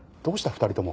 ２人とも。